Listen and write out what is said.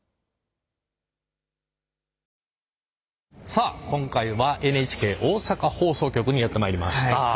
さあ今回はＮＨＫ大阪放送局にやって参りました。